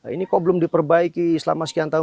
ini kok belum diperbaiki selama sekian tahun